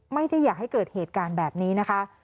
ไม่ได้อยากให้เกิดเหตุการณ์แบบนี้นะคะ